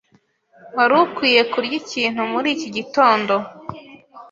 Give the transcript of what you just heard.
Wari ukwiye kurya ikintu muri iki gitondo.